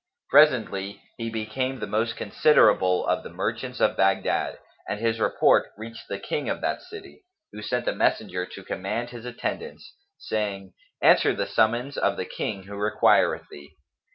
Presently he became the most considerable of the merchants of Baghdad, and his report reached the King of that city,[FN#273] who sent a messenger to command his attendance, saying, "Answer the summons of the King who requireth thee."